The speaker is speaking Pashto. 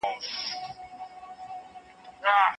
وروسته {تِلْكَ ءايَاتُ الْكِتَابِ وَقُرْءَانٍ مُّبِينٍ} ذکر سوی دی.